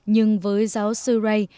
nhưng với giáo sư ray